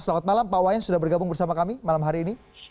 selamat malam pak wayan sudah bergabung bersama kami malam hari ini